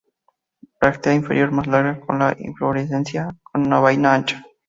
Bráctea inferior más larga que la inflorescencia, con una vaina ancha.